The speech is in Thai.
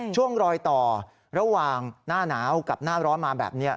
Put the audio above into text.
ช่วงรอยต่อระหว่างหน้าหนาวกับหน้าร้อนมาแบบนี้